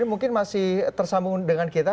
mungkin masih tersambung dengan kita